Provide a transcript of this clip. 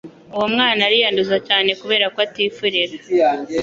uwo mwana ariyanduza cyane kuberako atifurira